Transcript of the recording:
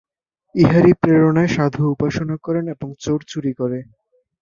ইহারই প্রেরণায় সাধু উপাসনা করেন এবং চোর চুরি করে।